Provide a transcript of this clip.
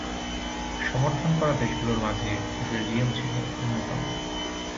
সমর্থন করা দেশগুলোর মাঝে বেলজিয়াম ছিল অন্যতম।